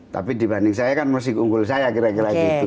tapi dibanding saya kan musik unggul saya kira kira gitu